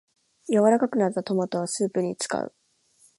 柔らかくなったトマトはスープに使う